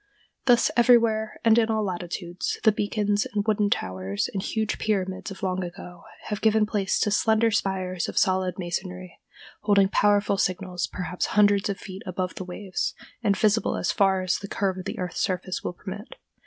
Thus, everywhere, and in all latitudes, the beacons and wooden towers and huge pyramids of long ago have given place to slender spires of solid masonry, holding powerful signals perhaps hundreds of feet above the waves, and visible as far as the curve of the earth's surface will permit.